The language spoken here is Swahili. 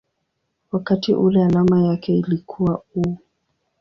wakati ule alama yake ilikuwa µµ.